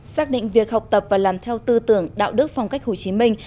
xác định việc học tập và làm theo tư tưởng đạo đức phong cách hồ chí minh